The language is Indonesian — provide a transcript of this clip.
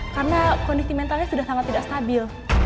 karena kondisi mentalnya sudah sangat tidak stabil